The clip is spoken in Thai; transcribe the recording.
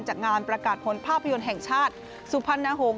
จากงานประกาศผลภาพยนตร์แห่งชาติสุพรรณหงษ